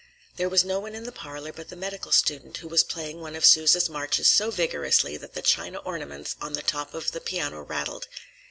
There was no one in the parlor but the medical student, who was playing one of Sousa's marches so vigorously that the china ornaments on the top of the piano rattled.